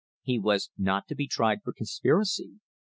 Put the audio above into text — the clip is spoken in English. He was not to be tried for conspiracy.